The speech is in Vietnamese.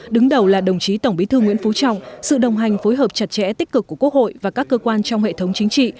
đứng đầu là đồng chí tổng bí thư nguyễn phú trọng sự đồng hành phối hợp chặt chẽ tích cực của quốc hội và các cơ quan trong hệ thống chính trị